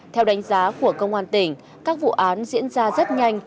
theo đánh giá của công an tỉnh các vụ án diễn ra rất nhanh